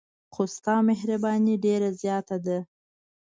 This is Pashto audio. خو ستا مهرباني ډېره زیاته ده.